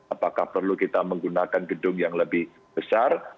apakah perlu kita menggunakan gedung yang lebih besar